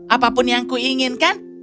apapun yang kuinginkan